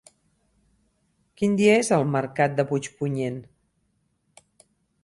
Quin dia és el mercat de Puigpunyent?